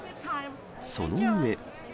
その上。